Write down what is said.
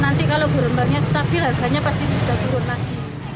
nanti kalau gurembangnya stabil harganya pasti bisa turun lagi